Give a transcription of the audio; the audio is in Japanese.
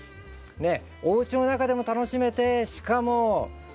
ねっおうちの中でも楽しめてしかもドライに。